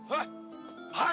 はい！